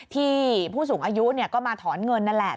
ผู้สูงอายุก็มาถอนเงินนั่นแหละ